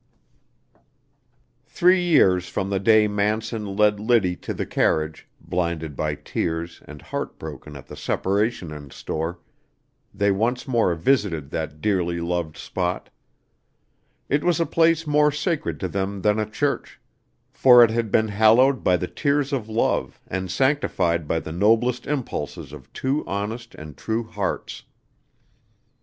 Three years from the day Manson led Liddy to the carriage, blinded by tears and heart broken at the separation in store, they once more visited that dearly loved spot. It was a place more sacred to them than a church, for it had been hallowed by the tears of love and sanctified by the noblest impulses of two honest and true hearts.